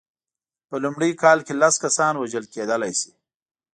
په لومړۍ کال کې لس کسان وژل کېدلای شي.